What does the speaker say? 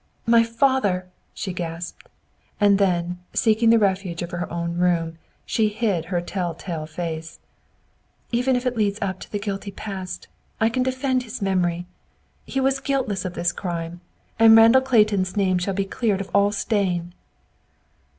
"My father!" she gasped. And then, seeking the refuge of her own room, she hid her tell tale face. "Even if it leads up to the guilty past, I can defend his memory. He was guiltless of this crime; and Randall Clayton's name shall be cleared of all stain!"